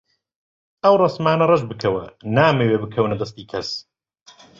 ئەو ڕەسمانە ڕەش بکەوە، نامەوێ بکەونە دەستی کەس.